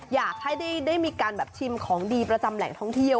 อยากให้ได้มีการแบบชิมของดีประจำแหล่งท่องเที่ยว